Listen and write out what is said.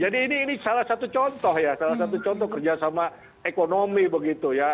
ini salah satu contoh ya salah satu contoh kerjasama ekonomi begitu ya